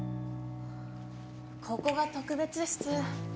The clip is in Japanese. ここが特別室。